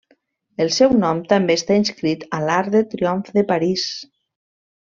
El seu nom també està inscrit a l'Arc de Triomf de París.